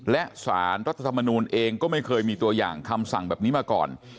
และสารรัฐธรรมนูลเองก็ไม่เคยมีตัวอย่างคำสั่งแบบนี้มาก่อน